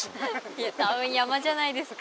いや多分山じゃないですか。